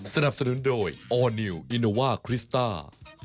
สนับสนุนโดยอ่อนิวอินโนวาคริสตาร์